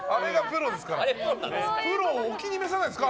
プロ、お気に召さないですか。